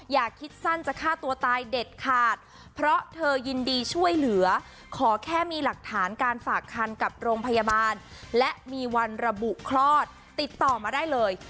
อย่าคิดสั้นจะฆ่าตัวตายเด็ดขาดเพราะเธอยินดีช่วยเหลือขอแค่มีหลักฐานการฝากคันกับโรงพยาบาลและมีวันระบุคลอดติดต่อมาได้เลย